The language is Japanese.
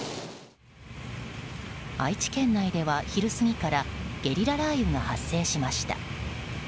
愛知県内では昼過ぎからゲリラ雷雨が発生しました。